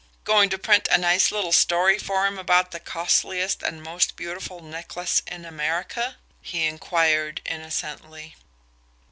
"Going to print a nice little story for him about the 'costliest and most beautiful necklace in America'?" he inquired innocently.